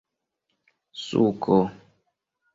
suko